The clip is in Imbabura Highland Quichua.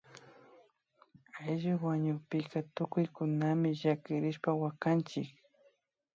Ayllu wañukpika tukuykunami llakirishpa wakanchik